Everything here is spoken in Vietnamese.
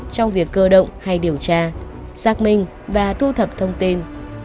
trong việc cơ động hay điều tra xác minh và thu thập thông tin